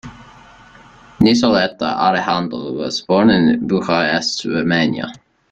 Nicoleta Alexandru was born in Bucharest, Romania.